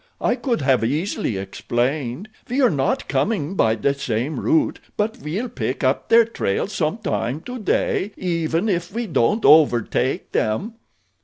I could have easily explained. We are not coming by the same route; but we'll pick up their trail sometime today, even if we don't overtake them."